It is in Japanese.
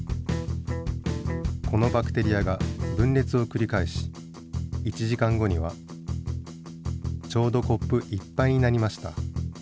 このバクテリアが分れつをくり返し１時間後にはちょうどコップ一ぱいになりました。